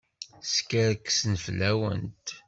Skerksen fell-awent.